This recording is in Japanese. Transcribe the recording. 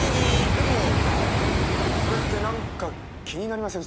でもそれってなんか気になりませんか？